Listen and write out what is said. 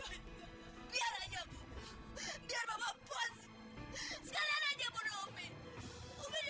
hari ini dia menikah ya mungkin sudah jalannya seperti itu kamu harus ikhlas